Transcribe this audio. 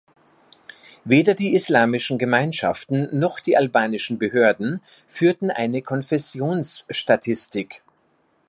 Weder die islamischen Gemeinschaften noch die albanischen Behörden führten eine Konfessions-Statistik.